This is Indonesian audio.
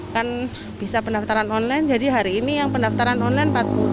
kan bisa pendaftaran online jadi hari ini yang pendaftaran online empat puluh